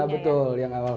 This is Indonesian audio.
ya betul yang awal